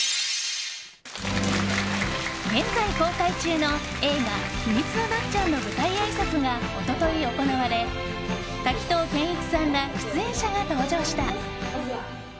現在公開中の映画「ひみつのなっちゃん。」の舞台あいさつが一昨日行われ滝藤賢一さんら出演者が登場した。